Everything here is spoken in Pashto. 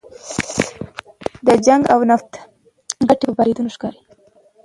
د جنګ او نفرت کډې په بارېدو ښکاري